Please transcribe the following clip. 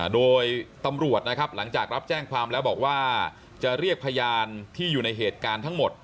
โดยตำรวจนะครับหลังจากรับแจ้งความแล้วบอกว่าจะเรียกพยานที่อยู่ในเหตุการณ์ทั้งหมด